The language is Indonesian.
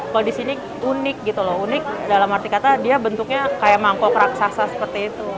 kalau di sini unik gitu loh unik dalam arti kata dia bentuknya kayak mangkok raksasa seperti itu